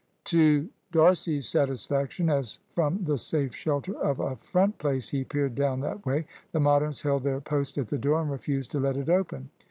To D'Arcy's satisfaction, as from the safe shelter of a front place he peered down that way, the Moderns held their post at the door and refused to let it open.